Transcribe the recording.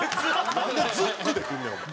なんでズックで来んねんお前。